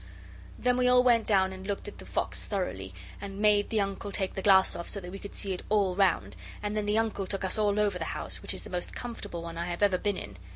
Then we all went down and looked at the fox thoroughly, and made the Uncle take the glass off so that we could see it all round and then the Uncle took us all over the house, which is the most comfortable one I have ever been in.